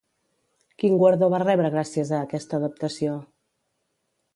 Quin guardó va rebre gràcies a aquesta adaptació?